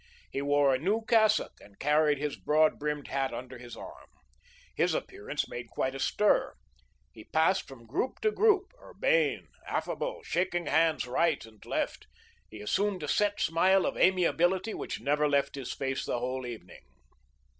He wore a new cassock and carried his broad brimmed hat under his arm. His appearance made quite a stir. He passed from group to group, urbane, affable, shaking hands right and left; he assumed a set smile of amiability which never left his face the whole evening.